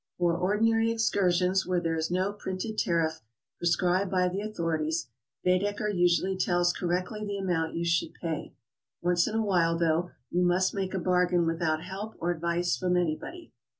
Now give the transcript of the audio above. For ordinary excursions, where there is no printed tariff prescribed by the authorities, Baedeker usually tells correctly the amount you should pay. Once in a while, though, you must make a bargain without help or advice from anybody.